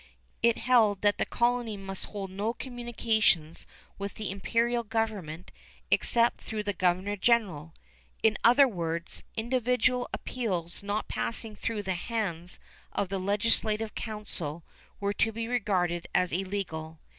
It held that the colony must hold no communications with the imperial government except through the Governor General; in other words, individual appeals not passing through the hands of the legislative council were to be regarded as illegal.